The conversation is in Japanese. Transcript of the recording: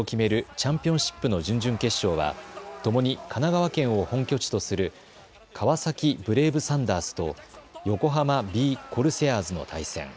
チャンピオンシップの準々決勝は、ともに神奈川県を本拠地とする川崎ブレイブサンダースと横浜ビー・コルセアーズの対戦。